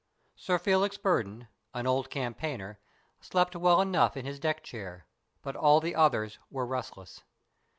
Sir Felix Burdon, an old campaigner, slept well enough in his deck chair, but all the others were restless.